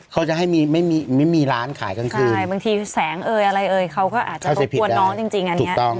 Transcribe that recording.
เขาจะให้ไม่มีร้านขายกลางคืนใช่บางทีแสงเอ่ยอะไรเอ่ยเขาก็อาจจะตกปวดน้องจริงอันเนี้ยถูกต้อง